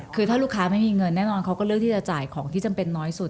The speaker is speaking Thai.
คือถ้าลูกค้าไม่มีเงินแน่นอนเขาก็เลือกที่จะจ่ายของที่จำเป็นน้อยสุด